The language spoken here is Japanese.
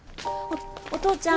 お父ちゃん。